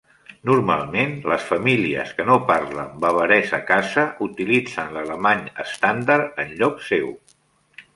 Normalment, les famílies que no parlen bavarès a casa, utilitzen l'alemany estàndard en lloc seu.